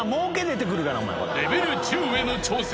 ［レベル１０への挑戦。